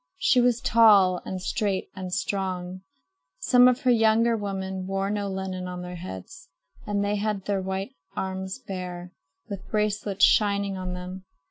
She was tall and straight and strong. Some of her younger women wore no linen on their heads and had their white arms bare, with bracelets shining on them.